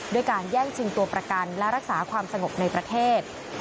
ด้วยการแย่งชิงตัวประกันและรักษาความสงบในประเทศ